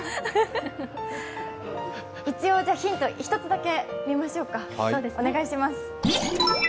ヒント、１つだけ見ましょうか。